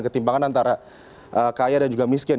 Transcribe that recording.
ketimpangan antara kaya dan juga miskin